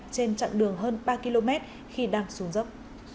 trên chặng đường hơn ba km khi đang xuống dốc